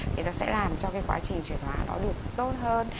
thì nó sẽ làm cho cái quá trình chuyển hóa nó được tốt hơn